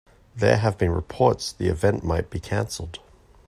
There have been reports the event might be canceled.